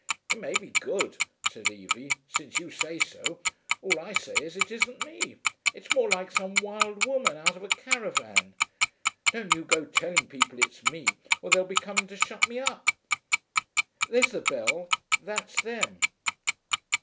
'It may be good,' said Evie, 'since you say so. All I say is, it isn't me. It's more like some wild woman out of a caravan. Don't you go telling people it's me, or they'll be coming to shut me up. There's the bell; that's them.'